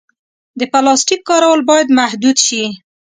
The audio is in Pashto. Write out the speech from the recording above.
د پلاسټیک کارول باید محدود شي.